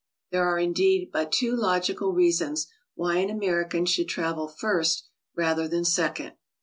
There are, indeed, but two logical reasons w'hy an American should travel first rather than second.